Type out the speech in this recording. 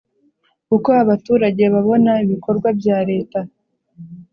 Uko abaturage babona ibikorwa bya leta